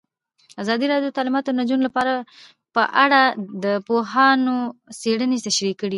ازادي راډیو د تعلیمات د نجونو لپاره په اړه د پوهانو څېړنې تشریح کړې.